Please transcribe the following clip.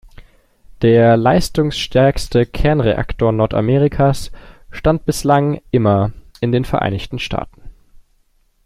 Der leistungsstärkste Kernreaktor Nordamerikas stand bislang immer in den Vereinigten Staaten.